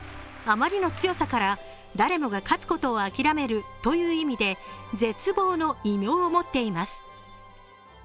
あまりの強さから誰もが勝つことを諦めるという意味で絶望の異名を持っています。